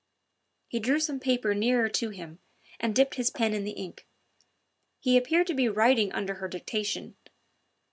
He drew some paper nearer to him and dipped his pen in the ink. He appeared to be writing under her dictation.